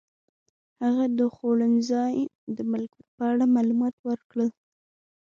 هغه د خوړنځای د ملګرو په اړه معلومات ورکړل.